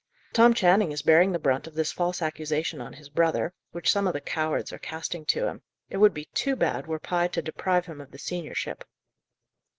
Tom Channing is bearing the brunt of this false accusation on his brother, which some of the cowards are casting to him. It would be too bad were Pye to deprive him of the seniorship!"